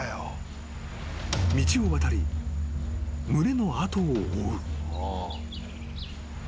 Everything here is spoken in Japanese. ［道を渡り群れの後を追う］